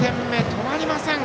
止まりません